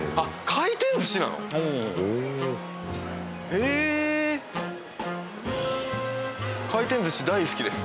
へー回転寿司大好きです